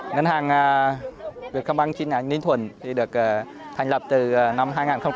ngân hàng việt công an ninh thuận được thành lập từ năm hai nghìn một mươi một